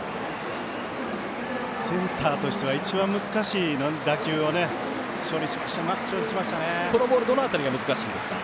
センターとしては一番難しい打球をどの辺りが難しいですか。